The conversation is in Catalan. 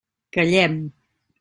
Callem.